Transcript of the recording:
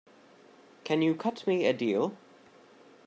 Can you cut me a deal?